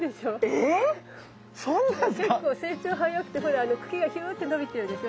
えっそうなんすか⁉結構成長早くてほらあの茎がヒューッて伸びてるでしょ。